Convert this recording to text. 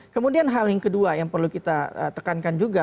kemudian hal yang kedua yang perlu kita tekankan juga